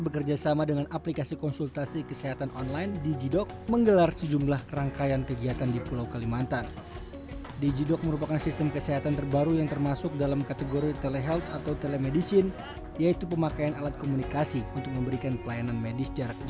kali ini sahabat ganjar menggandeng aplikasi konsultasi kesehatan online bernama digidoc